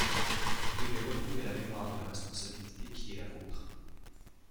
Vous devez retrouver la mémoire de la responsabilité qui est la vôtre.